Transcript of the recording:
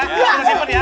kita simpen ya oke